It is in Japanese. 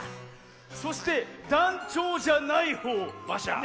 そしてだんちょうじゃないほうバシャー。